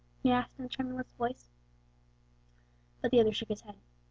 he asked, in a tremulous voice. But the other shook his head.